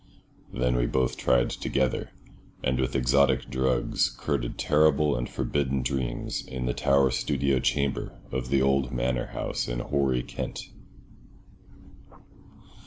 Then we both tried together, and with exotic drugs courted terrible and forbidden dreams in the tower studio chamber of the old manor house in hoary Kent.